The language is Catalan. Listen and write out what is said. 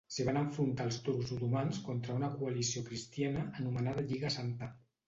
S'hi van enfrontar els turcs otomans contra una coalició cristiana, anomenada Lliga Santa.